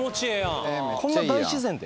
こんな大自然で？